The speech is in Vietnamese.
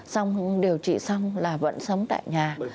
xong điều trị xong là vẫn sống tại nhà